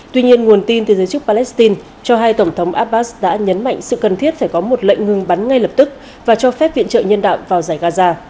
tuy nhiên nguồn tin từ giới chức palestine cho hai tổng thống abbas đã nhấn mạnh sự cần thiết phải có một lệnh ngừng bắn ngay lập tức và cho phép viện trợ nhân đạo vào giải gaza